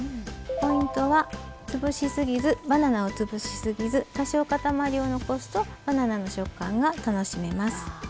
ポイントはバナナを潰しすぎず多少、塊を残すとバナナの食感が楽しめます。